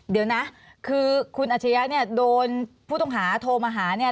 เดี๋ยวนะคือคุณอัชริยะเนี่ยโดนผู้ต้องหาโทรมาหาเนี่ย